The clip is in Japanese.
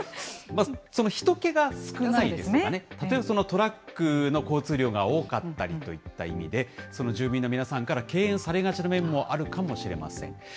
まずそのひと気が少ないですとかね、例えばトラックの交通量が多かったりといった意味で、その住民の皆さんから敬遠されがちな面もあるかもしれません。